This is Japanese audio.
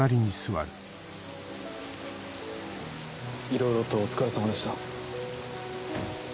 いろいろとお疲れさまでした。